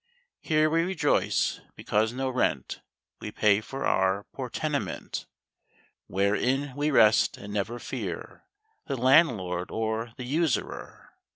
Here we rejoice, because no rent We pay for our poor tenement; Wherein we rest, and never fear The landlord or the usurer.